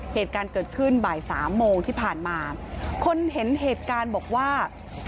เหตุการณ์เกิดขึ้นบ่ายสามโมงที่ผ่านมาคนเห็นเหตุการณ์บอกว่า